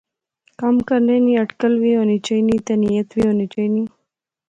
کم کرنے نی اٹکل وہ ہونی چائینی تے نیت وی ہونی چائینی